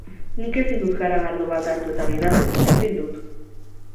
Nik ezin dut garagardo bat hartu eta gidatu, ezin dut.